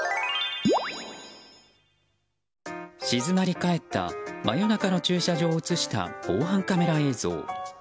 静まり返った真夜中の駐車場を映した防犯カメラ映像。